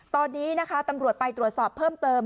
ตอนนี้นะคะตำรวจไปตรวจสอบเพิ่มเติม